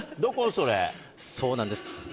そうなんです。